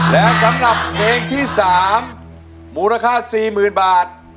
แล้วสำหรับเพลงที่๓มูลค่า๔๐๐๐บาท